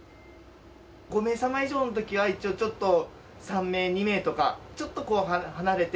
５名様以上のときは、一応ちょっと、３名、２名とか、ちょっと離れて。